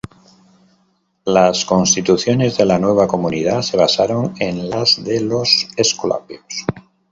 Las "Constituciones" de la nueva comunidad se basaron en las de los escolapios.